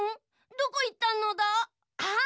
どこいったのだ？あっ！